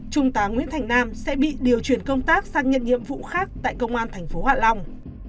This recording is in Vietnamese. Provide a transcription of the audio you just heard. trung tá nguyễn thành nam sẽ bị điều chuyển công tác sang nhận nhiệm vụ khác tại công an thành phố hạn long